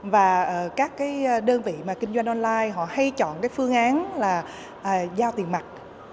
và các cái đơn vị mà kinh doanh online họ hay chọn cái phương án là giao tiền mặt